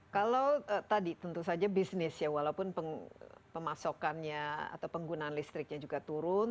kalau tadi tentu saja bisnis ya walaupun pemasokannya atau penggunaan listriknya juga turun